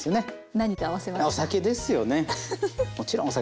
何と合わせますか？